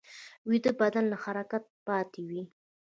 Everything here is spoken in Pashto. ویده بدن له حرکته پاتې وي